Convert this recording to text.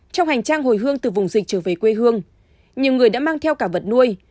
trong hành trang hồi hương từ vùng dịch trở về quê hương nhiều người đã mang theo cả vật nuôi